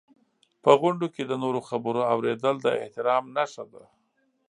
په غونډو کې د نورو خبرو اورېدل د احترام نښه ده.